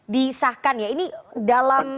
disahkan ya ini dalam